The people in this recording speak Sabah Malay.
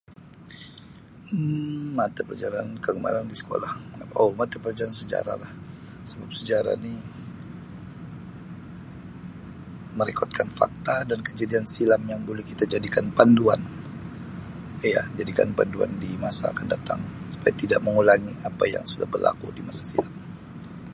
Um Mata Pelajaran kegemaran di sekolah mengapa oh mata pelajaran sejarah lah sebab sejarah ni merekodkan fakta dan kejadian silam yang boleh kita jadikan panduan iya jadikan panduan dimasa akan datang supaya tidak mengulangi apa yang sudah berlaku di masa silam.